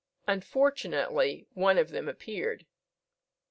Unfortunately one of them appeared.